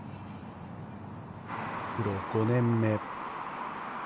プロ５年目。